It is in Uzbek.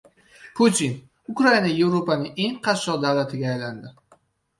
Putin: "Ukraina Yevropaning eng qashshoq davlatiga aylandi"